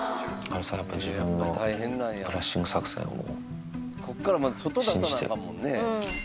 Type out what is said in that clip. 女将さん、やっぱり自分のブラッシング作戦を信じて。